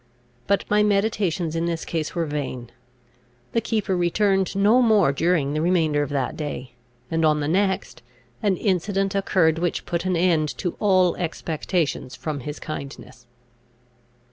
But my meditations in this case were vain. The keeper returned no more during the remainder of that day, and, on the next, an incident occurred which put an end to all expectations from his kindness.